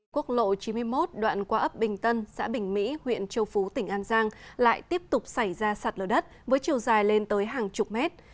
quốc lộ chín mươi một đoạn qua ấp bình tân xã bình mỹ huyện châu phú tỉnh an giang lại tiếp tục xảy ra sạt lở đất với chiều dài lên tới hàng chục mét